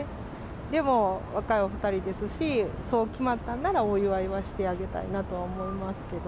でも若いお２人ですし、そう決まったなら、お祝いはしてあげたいなとは思いますけど。